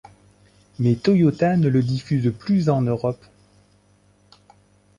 Mais Toyota ne le diffuse plus en Europe.